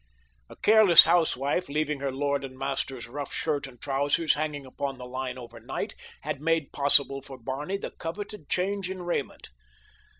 A careless housewife, leaving her lord and master's rough shirt and trousers hanging upon the line overnight, had made possible for Barney the coveted change in raiment.